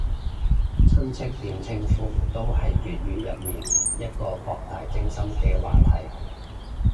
親戚點稱呼都係粵語入面一個博大精深嘅課題